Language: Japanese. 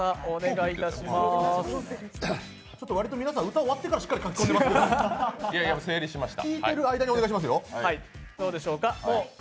割と皆さん、歌が終わってからしっかり書き込んでいますけど。整理しました。